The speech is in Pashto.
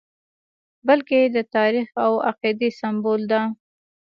بلکې د تاریخ او عقیدې سمبول دی.